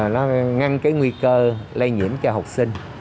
nó ngăn cái nguy cơ lây nhiễm cho học sinh